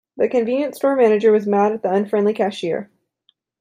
The convenience store manager was mad at the unfriendly cashier.